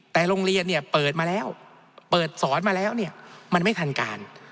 แต่โรงเรียนเนี่ยเปิดมาแล้วเปิดสอนมาแล้วเนี่ยมันไม่ทันการ